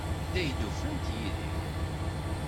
Anda ay d-ufant Yidir?